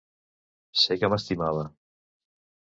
Sé que m'estimava.